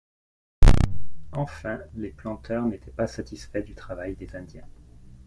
Enfin les planteurs n'étaient pas satisfaits du travail des Indiens.